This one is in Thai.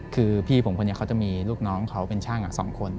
คือพี่ผมคนนี้เขาจะมีลูกน้องเขาเป็นช่าง๒คน